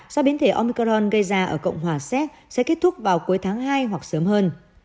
do biến thể omicron gây ra ở cộng hòa séc sẽ kết thúc vào cuối tháng hai hoặc sớm hơn